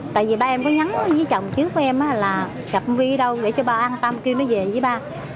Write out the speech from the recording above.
tại vì ba em có nhắn với chồng trước của em là gặp vi đâu để cho ba an tâm kêu nó về với ba